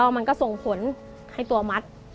มันก็ส่งผลให้ตัวมัด